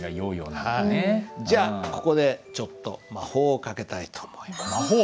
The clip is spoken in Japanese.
じゃあここでちょっと魔法をかけたいと思います。